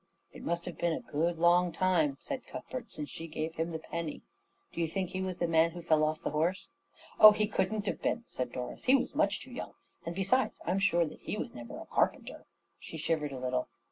"It must have been a good long time," said Cuthbert, "since she gave him the penny. Do you think he was the man who fell off the horse?" "Oh, he couldn't have been," said Doris. "He was much too young; and besides I'm sure that he was never a carpenter." She shivered a little.